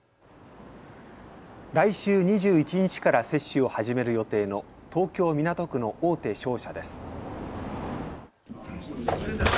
来週２１日から接種を始める予定の東京港区の大手商社です。